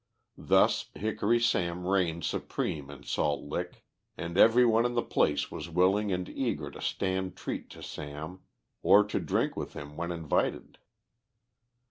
Thus Hickory Sam reigned supreme in Salt Lick, and every one in the place was willing and eager to stand treat to Sam, or to drink with him when invited.